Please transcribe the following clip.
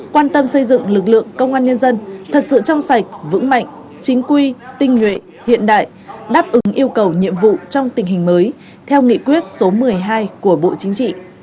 quan tâm xây dựng lực lượng công an nhân dân thật sự trong sạch vững mạnh chính quy tinh nhuệ hiện đại đáp ứng yêu cầu nhiệm vụ trong tình hình mới theo nghị quyết số một mươi hai của bộ chính trị